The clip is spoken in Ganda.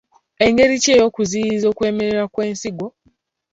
Engeri ki ey'okuziiyiza okulemererwa kw'ensigo.